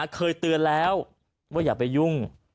เคยเตือนแล้วว่าอย่าไปยุ่ง